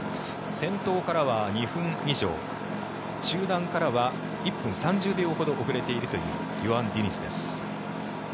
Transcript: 先頭からは２分以上集団からは１分３０秒ほど遅れているというヨアン・ディニズです。